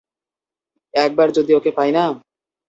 একবার যদি ওকে পাই না!